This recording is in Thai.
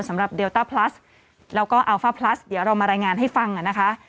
สำหรับเดลต้าพลัสแล้วก็อัลฟ่าพลัสเดี๋ยวเรามารายงานให้ฟังนะคะ